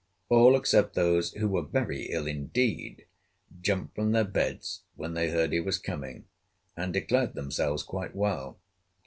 All, except those who were very ill indeed, jumped from their beds when they heard he was coming, and declared themselves quite well.